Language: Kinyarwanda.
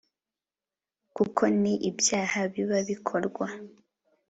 kuko ni ibyaha biba bikorwa